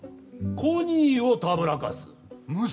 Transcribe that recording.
コニーをたぶらかす。